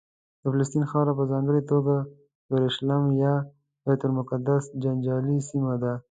د فلسطین خاوره په ځانګړې توګه یورشلیم یا بیت المقدس جنجالي سیمه ده.